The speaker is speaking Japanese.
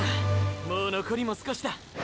もう残りも少しだ。